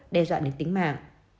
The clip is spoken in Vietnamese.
đe dọa đến tính mạng